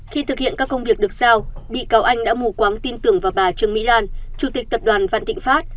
khi thực hiện các công việc được sao bị cáo anh đã mù quáng tin tưởng vào bà trương mỹ lan chủ tịch tập đoàn vạn thịnh pháp